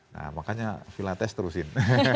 nah makanya vila tes terusin